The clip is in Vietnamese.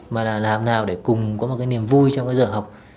mà là làm nào để cùng có một cái niềm vui trong cái giờ học